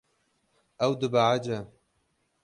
Ew dibehece.